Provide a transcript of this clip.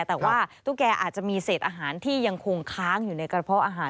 แต่ว่าตุ๊กแกอาจจะมีเศษอาหารที่ยังคงค้างอยู่ในกระเพาะอาหาร